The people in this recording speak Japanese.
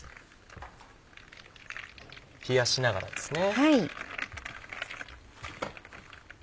冷やしながらですね。